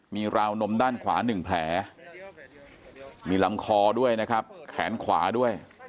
มีราวนมด้านขวา๑แผลมีลำคอด้วยนะครับแขนขวาด้วย